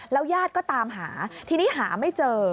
แล้วย่าดก็ตามหาทีนี้หาไม่เจอ